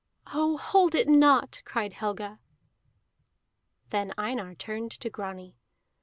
"Oh, hold it not!" cried Helga. Then Einar turned to Grani.